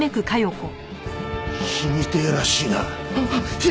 死にてえらしいな。